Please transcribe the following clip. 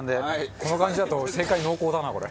この感じだと正解濃厚だなこれ。